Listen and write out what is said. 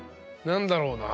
何だろうな。